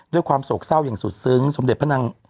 ด้วยความโสกเศร้าอย่างสุดซึ้ง